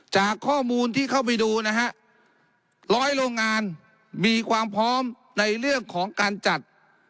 จากข้อมูลที่เข้าไปดูนะฮะร้อยโรงงานมีความพร้อมในเรื่องของการจัด